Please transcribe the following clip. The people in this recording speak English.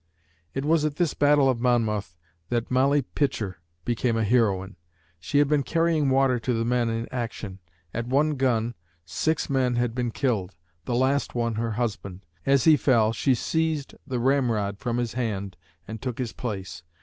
It was at this battle of Monmouth that Molly Pitcher became a heroine. She had been carrying water to the men in action. At one gun, six men had been killed, the last one her husband. As he fell, she seized the ramrod from his hand and took his place.